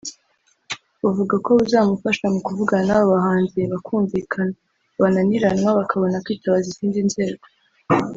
buvuga ko buzamufasha mu kuvugana n’abo bahanzi bakumvikana bananiranwa bakabona kwitabaza izindi nzego